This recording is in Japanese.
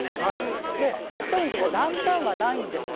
でお２人のところランタンはないんですが。